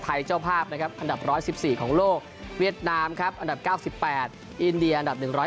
ไทยเจ้าภาพอันดับ๑๑๔ของโลกเวียดนามอันดับ๙๘อินเดียอันดับ๑๐๑